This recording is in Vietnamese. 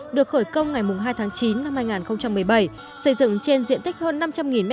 được khởi công ngày hai tháng chín năm hai nghìn một mươi bảy xây dựng trên diện tích hơn năm trăm linh m hai